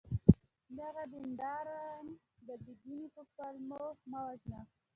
دغه دینداران د بې دینی په پلمو مه وژنه!